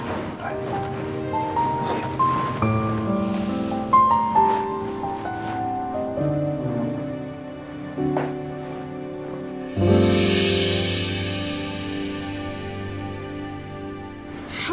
terima kasih ya